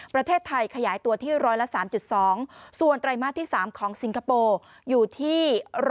ประเทศไทยขยายตัวที่๑๐๓๒ส่วนไตรมาสที่๓ของสิงคโปร์อยู่ที่๑๐